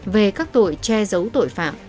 về các tội che giấu tội phạm